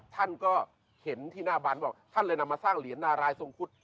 ท่านเห็นหน้าบรรณท่านเลยนำมาสร้างเหรียญนารายสงครุฑ